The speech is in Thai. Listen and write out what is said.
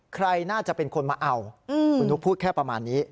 ใครน่าจะเป็นคนมาเอาคุณนุ๊กพูดแค่ประมาณนี้